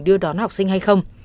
đưa đón học sinh hay không